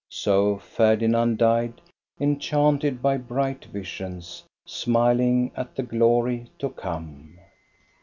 So Ferdinand died, enchanted by bright visions, smiling at the glory to come.